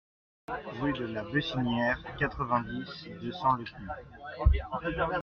Rue de la Beucinière, quatre-vingt-dix, deux cents Lepuix